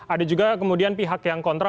ada juga kemudian pihak yang kontra